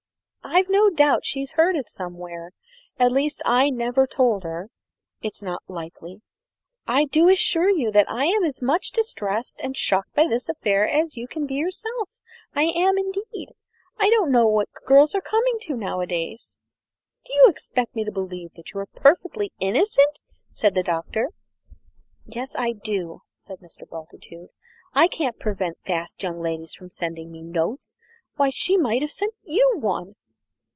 I've no doubt she's heard it somewhere. At least, I never told her; it is not likely. I do assure you I'm as much distressed and shocked by this affair as you can be yourself. I am indeed. I don't know what girls are coming to nowadays." "Do you expect me to believe that you are perfectly innocent?" said the Doctor. "Yes, I do," said Mr. Bultitude. "I can't prevent fast young ladies from sending me notes. Why, she might have sent you one!"